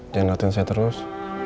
jangan latihan saya terus